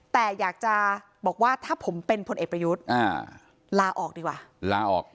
แต่อยากจะบอกว่าถ้าผมเป็นพลเอกประยุทธ์ลาออกดีกว่าลาออก